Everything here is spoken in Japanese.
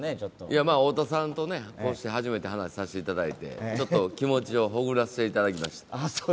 まあ、太田さんとこうして初めて話させていただきまして、ちょっと気持ちほぐしていただきました。